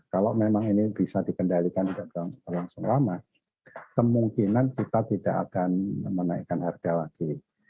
kalau memang ini bisa dikendalikan tidak berlangsung lama kemungkinan kita tidak akan menaikkan harga lagi